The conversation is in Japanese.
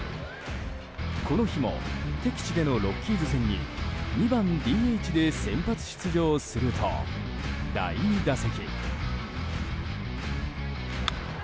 この日も敵地でのロッキーズ戦に２番ＤＨで先発出場すると第２打席。